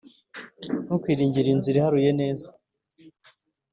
Ntukiringire inzira iharuye neza,